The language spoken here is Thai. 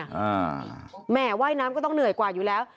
อ่าแม่ไหว้น้ำก็ต้องเหนื่อยกว่าอยู่แล้ว